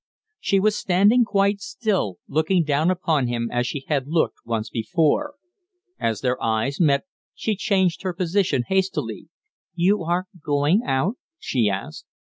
She was standing quite still, looking down upon him as she had looked once before. As their eyes met, she changed her position hastily. "You are going out?" she asked.